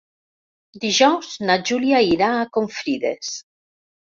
Dijous na Júlia irà a Confrides.